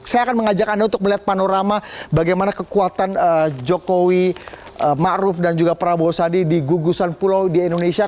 saya akan mengajak anda untuk melihat panorama bagaimana kekuatan jokowi ⁇ maruf ⁇ dan juga prabowo sandi di gugusan pulau di indonesia